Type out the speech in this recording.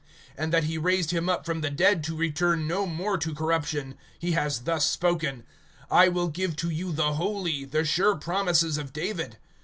(34)And that he raised him up from the dead to return no more to corruption, he has thus spoken: I will give to you the holy, the sure promises of David.